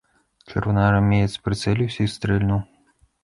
Чырвонаармеец прыцэліўся і стрэльнуў.